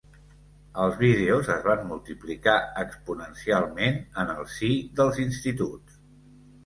Els vídeos es van multiplicar exponencialment en el si dels instituts.